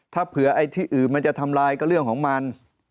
ถ้าเผื่อไอ้ที่อื่นมันจะทำลายก็เรื่องของมัน